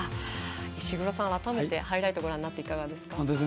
石黒さん、改めてハイライトご覧になっていかがですか？